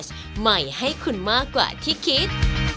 ใช่ครับ